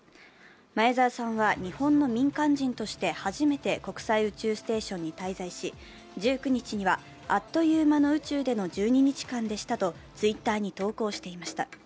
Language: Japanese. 前澤さんは日本の民間人として初めて国際宇宙ステーションに滞在し１９日には「あっという間の宇宙での１２日間でした」とＴｗｉｔｔｅｒに投稿していました。